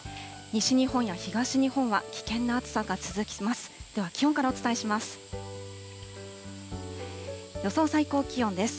西日本や東日本は危険な暑さが続きます。